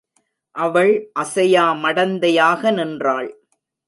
அவள் அசையா மடந்தையாக நின்றாள்.